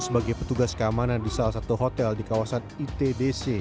sebagai petugas keamanan di salah satu hotel di kawasan itdc